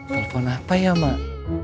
telepon apa ya mak